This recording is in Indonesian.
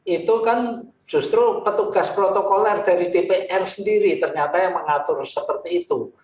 itu kan justru petugas protokoler dari dpr sendiri ternyata yang mengatur seperti itu